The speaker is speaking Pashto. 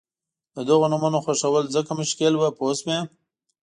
د دغو نومونو خوښول ځکه مشکل وو پوه شوې!.